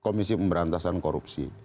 komisi pemberantasan korupsi